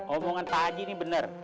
omongan pak haji ini benar